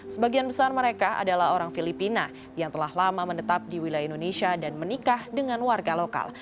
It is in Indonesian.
sebagian besar mereka adalah orang filipina yang telah lama menetap di wilayah indonesia dan menikah dengan warga lokal